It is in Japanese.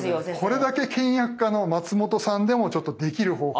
これだけ倹約家の松本さんでもちょっとできる方法。